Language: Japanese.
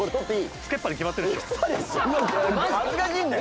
つけっぱに決まってるでしょ。